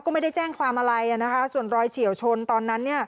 ก็ไม่ได้แจ้งความอะไรส่วนรอยเฉียวชนตอนนั้น